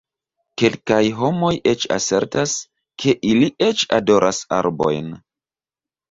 Kelkaj homoj eĉ asertas, ke ili eĉ adoras arbojn.